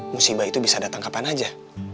musibah itu bisa datang kapan aja